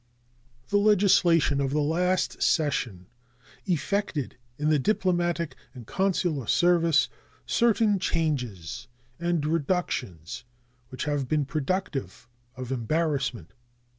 The legislation of the last session effected in the diplomatic and consular service certain changes and reductions which have been productive of embarrassment.